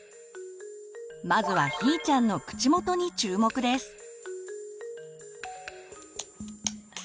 まずはひーちゃんの口元に注目です。